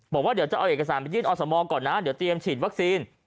บอกว่าเดี๋ยวจะเอาเอกสารไปยื่นอสมก่อนนะเดี๋ยวเตรียมฉีดวัคซีน